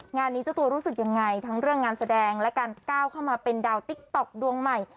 งานนี้เจ้าตัวรู้สึกยังไงทั้งเรื่องงานแสดงและการก้าวเข้ามาเป็นดาวติ๊กต๊อกดวงใหม่